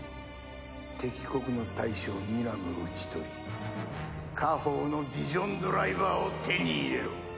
敵国の大将ニラムを討ち取り家宝のヴィジョンドライバーを手に入れろ。